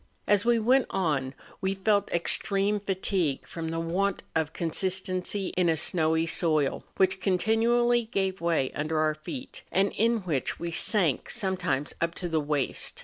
As we went on, we felt extreme fatigue from the want of con¬ sistency in a snowy soil, which continually gave way under our feet, and in which we sank sometimes up to the waist.